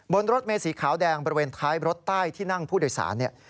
บนรถเมสีขาวแดงบริเวณท้ายรถใต้ที่นั่งผู้โดยสารเนี่ย